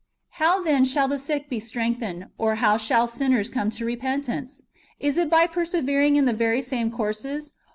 ^ How then shall the sick be strengthened, or how shall sinners come to repentance ? Is it by perse vering in the very same courses